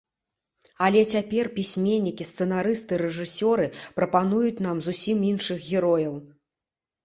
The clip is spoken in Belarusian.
Але цяпер пісьменнікі, сцэнарысты, рэжысёры прапануюць нам зусім іншых герояў.